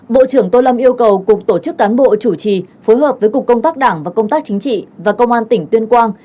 bộ trưởng tô lâm yêu cầu cục tổ chức cán bộ chủ trì phối hợp với cục công tác đảng và công tác chính trị và công an tỉnh tuyên quang